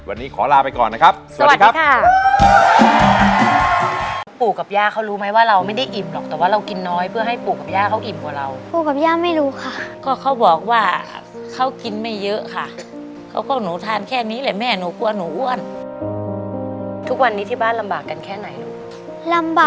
วันนี้ขอลาไปก่อนนะครับ